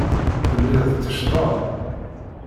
Telliḍ tetteccḍeḍ.